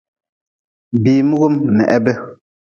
Bii mugm n heb.